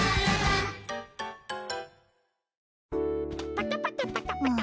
パタパタパタパタ。